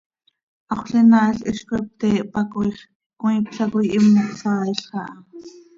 Haxöl inaail hizcoi pte hpacooix, cmiipla coi himo hsaailx aha.